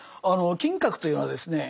金閣というのはですね